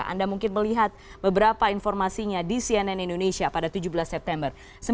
anda mungkin melihat beberapa informasinya di cnn indonesia pada tujuh belas september